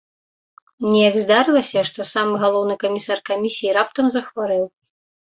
Неяк здарылася, што самы галоўны камісар камісіі раптам захварэў.